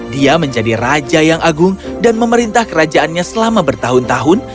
dia menjadi raja yang agung dan memerintah kerajaannya selama bertahun tahun